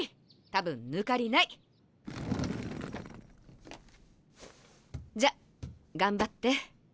多分抜かりない！じゃ頑張って。